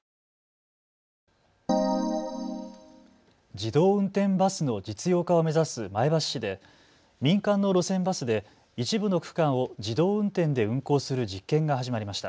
自動運転バスの実用化を目指す前橋市で民間の路線バスで一部の区間を自動運転で運行する実験が始まりました。